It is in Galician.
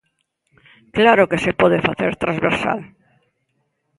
Claro que se pode facer transversal.